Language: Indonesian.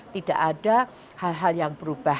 tidak ada hal hal yang berubah